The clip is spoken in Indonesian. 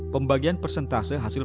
pembagian persentase hasil